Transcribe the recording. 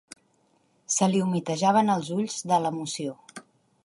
Se li humitejaven els ulls, de l'emoció.